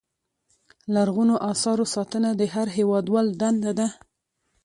لرغونو اثارو ساتنه د هر هېوادوال دنده ده.